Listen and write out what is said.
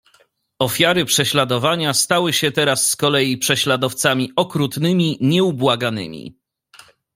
"Ofiary prześladowania stały się teraz z kolei same prześladowcami okrutnymi, nieubłaganymi."